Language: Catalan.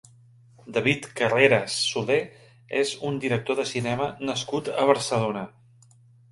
David Carreras Solé és un director de cinema nascut a Barcelona.